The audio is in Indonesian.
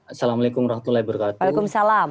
assalamualaikum wr wb waalaikumsalam